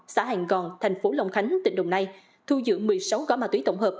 xã hàng gòn thành phố long khánh tỉnh đồng nay thu dựng một mươi sáu gó ma túy tổng hợp